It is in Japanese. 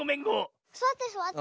すわってすわって。